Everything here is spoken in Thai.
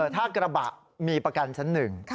ถ้ากระบะมีประกันชั้น๑